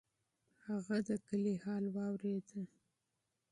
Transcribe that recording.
هغه د کلي حال واورېد.